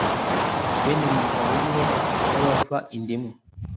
bene mugabobumwe, nk'abava inda imwe